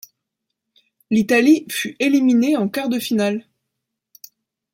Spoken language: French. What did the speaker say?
L'Italie fut éliminée en quarts de finale.